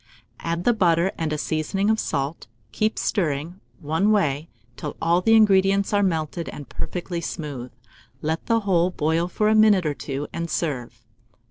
Add the butter and a seasoning of salt, keep stirring one way till all the ingredients are melted and perfectly smooth; let the whole boil for a minute or two, and serve.